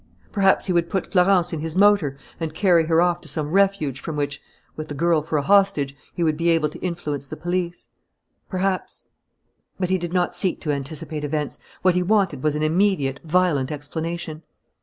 Perhaps he would put Florence in his motor and carry her off to some refuge from which, with the girl for a hostage, he would be able to influence the police. Perhaps But he did not seek to anticipate events. What he wanted was an immediate, violent explanation.